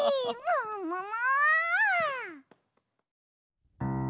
ももも！